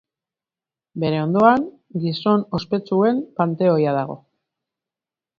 Bere ondoan, Gizon Ospetsuen Panteoia dago.